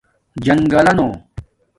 جنݣگلانُݸ